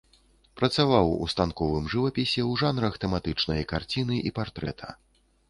Працаваў у станковым жывапісе ў жанрах тэматычнай карціны і партрэта.